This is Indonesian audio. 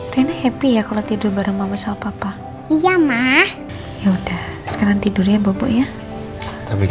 rina happy ya kalau tidur bareng mama sama papa iya mah ya udah sekarang tidur ya bapak ya tapi